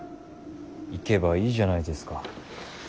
行けばいいじゃないですか。